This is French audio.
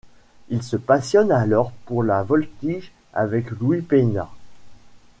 Il se passionne alors pour la voltige avec Louis Peña.